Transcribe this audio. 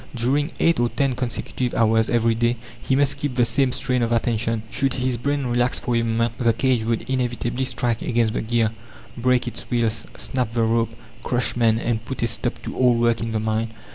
During eight or ten consecutive hours every day he must keep the same strain of attention. Should his brain relax for a moment, the cage would inevitably strike against the gear, break its wheels, snap the rope, crush men, and put a stop to all work in the mine.